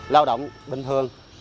lao động bình thường